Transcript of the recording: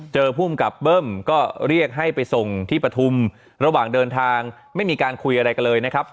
ภูมิกับเบิ้มก็เรียกให้ไปส่งที่ปฐุมระหว่างเดินทางไม่มีการคุยอะไรกันเลยนะครับ